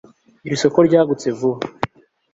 Iri soko ryagutse vuba